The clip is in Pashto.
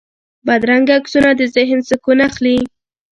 بدرنګه عکسونه د ذهن سکون اخلي